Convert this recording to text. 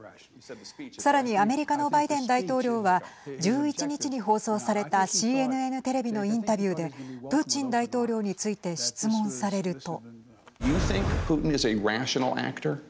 さらにアメリカのバイデン大統領は１１日に放送されたＣＮＮテレビのインタビューでプーチン大統領について質問されると。